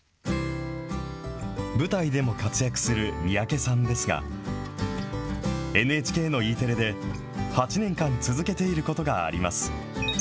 舞台でも活躍する三宅さんですが、ＮＨＫのＥテレで８年間続けていることがあります。